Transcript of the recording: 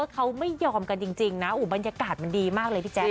เขาไม่ยอมกันจริงนะบรรยากาศมันดีมากเลยพี่แจ๊